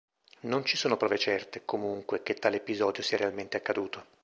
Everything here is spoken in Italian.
Non ci sono prove certe, comunque, che tale episodio sia realmente accaduto.